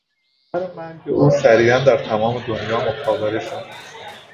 خبر مرگ او سریعا در تمام دنیا مخابره شد.